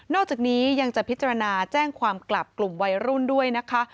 อกจากนี้ยังจะพิจารณาแจ้งความกลับกลุ่มวัยรุ่นด้วยนะคะ